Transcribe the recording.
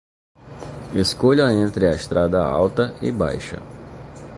Escolha entre a estrada alta e baixa.